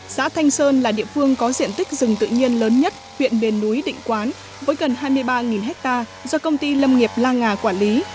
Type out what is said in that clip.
xã thanh sơn là địa phương có diện tích rừng tự nhiên lớn nhất huyện bền núi định quán với gần hai mươi ba ha do công ty lâm nghiệp la nga quản lý